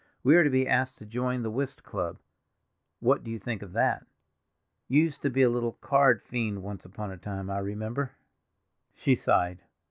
We are to be asked to join the whist club—what do you think of that? You used to be a little card fiend once upon a time, I remember." She sighed.